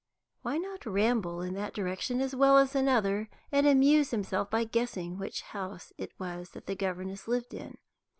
Why not ramble in that direction as well as another, and amuse himself by guessing which house it was that the governess lived in?